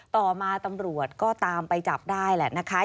ต่อมาตำรวจก็ตามไปจับได้แหละนะคะ